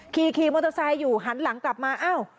ขี่มอเตอร์ไซค์อยู่หันหลังกลับมาอ้าว